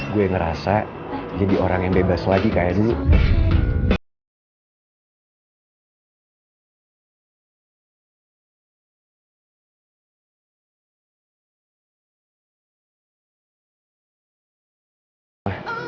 gue ngerasa jadi orang yang bebas lagi kayak dulu